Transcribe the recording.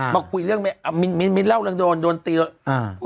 คุยเรื่องมิ้นมิ้นเล่าเรื่องโดนโดนตีเลย